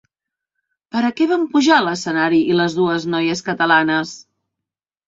Per a què van pujar a l'escenari les dues noies catalanes?